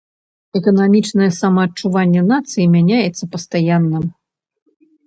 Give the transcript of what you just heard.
Эканамічнае самаадчуванне нацыі мяняецца пастаянна.